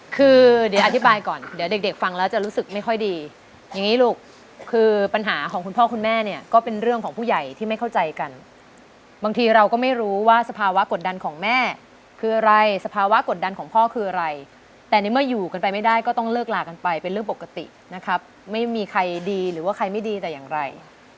คือเดี๋ยวอธิบายก่อนเดี๋ยวเด็กฟังแล้วจะรู้สึกไม่ค่อยดีอย่างนี้ลูกคือปัญหาของคุณพ่อคุณแม่เนี่ยก็เป็นเรื่องของผู้ใหญ่ที่ไม่เข้าใจกันบางทีเราก็ไม่รู้ว่าสภาวะกดดันของแม่คืออะไรสภาวะกดดันของพ่อคืออะไรแต่ในเมื่ออยู่กันไปไม่ได้ก็ต้องเลิกลากันไปเป็นเรื่องปกตินะครับไม่มีใครดีหรือว่าใครไม่ดีแต่อย่างไร